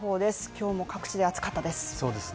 今日も各地で暑かったです。